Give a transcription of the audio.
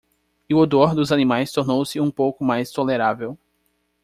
E o odor dos animais tornou-se um pouco mais tolerável.